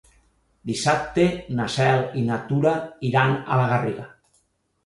Dissabte na Cel i na Tura iran a la Garriga.